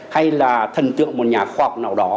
hay là thần tượng một nhà khoa học nào đó